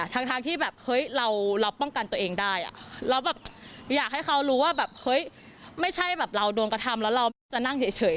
ทั้งที่เราป้องกันตัวเองได้เราอยากให้เขารู้ว่าไม่ใช่เราโดนกระทำแล้วเราจะนั่งเฉย